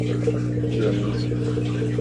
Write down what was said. Dionísio